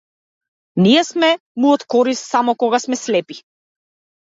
Ние сме му од корист само кога сме слепи.